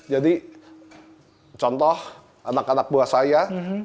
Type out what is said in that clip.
jadi contoh anak anak buah saya